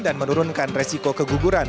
dan menurunkan resiko keguguran